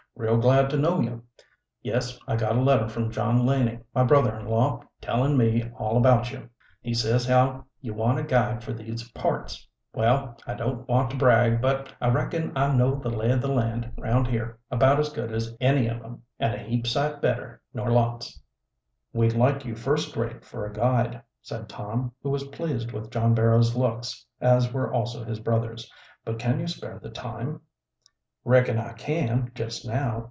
"Real glad to know you. Yes, I got a letter from John Laning, my brother in law, tellin' me all about you. He says as how you want a guide fer these parts. Well, I don't want to brag, but I reckon I know the lay o' the land 'round here about as good as any o' 'em, and a heap sight better nor lots." "We'd like you first rate for a guide," said Tom, who was pleased with John Barrow's looks, as were also his brothers. "But can you spare the time?" "Reckon I can, just now.